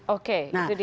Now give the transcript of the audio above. oke itu dia